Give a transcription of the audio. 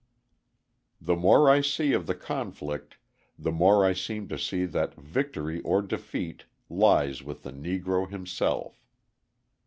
The more I see of the conflict the more I seem to see that victory or defeat lies with the Negro himself.